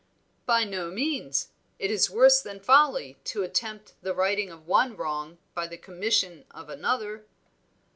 "By no means. It is worse than folly to attempt the righting of one wrong by the commission of another."